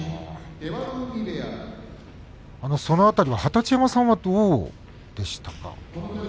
その辺り二十山さんは、どうでしたか？